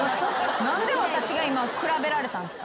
何で私が今比べられたんすか？